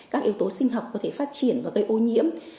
các yếu tố sinh học có thể phát triển và gây ô nhiễm